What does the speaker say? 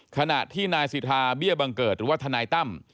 ขณะที่นายสิทธาเบี้ยบังเกิดหรือว่าทนายตั้ม